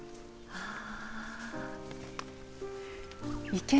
ああ。